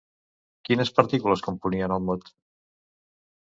Quines partícules componien el mot?